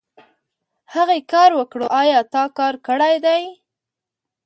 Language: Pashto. هغې کار وکړو ايا تا کار کړی دی ؟